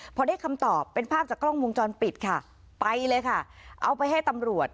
พอได้คำตอบเป็นภาพจากกล้องวงจรปิดค่ะไปเลยค่ะเอาไปให้ตำรวจ